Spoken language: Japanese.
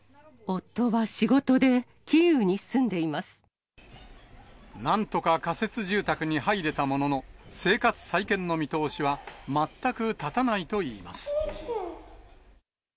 夫は仕事でキーウに住んでいなんとか仮設住宅に入れたものの、生活再建の見通しは全く立たないといいます。